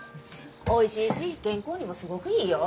おいしいし健康にもすごくいいよ。